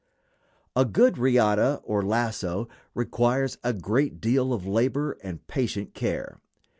A good riata (lasso) requires a great deal of labor and patient care.